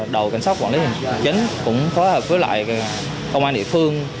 đầu cảnh sát quản lý liên hành chính cũng phối hợp với lại công an địa phương